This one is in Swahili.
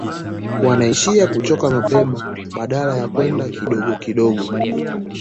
Wanaishia kuchoka mapema badala ya kwenda kidogo kidogo